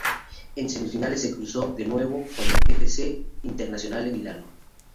En semifinales se cruzó de nuevo con el F. C. Internazionale Milano.